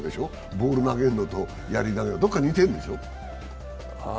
ボール投げるのと、やり投げはどこか似てるの？